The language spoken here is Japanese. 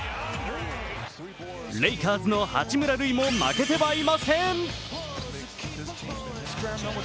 レイカーズの八村塁も負けてはいません。